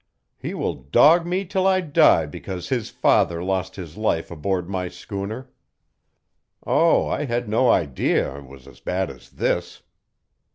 He will dog me till I die because his father lost his life aboard my schooner. Oh, I had no idea it was as bad as this!"